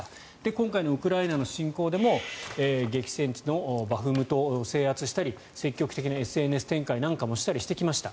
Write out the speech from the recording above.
今回のウクライナの侵攻でも激戦地のバフムトを制圧したり積極的なＳＮＳ展開なんかもしてきました。